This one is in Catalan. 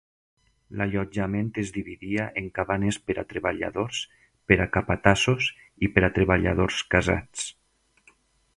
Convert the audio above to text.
L'allotjament es dividia en cabanes per a treballadors, per a capatassos i per a treballadors casats.